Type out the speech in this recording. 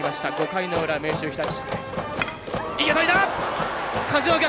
５回の裏明秀日立。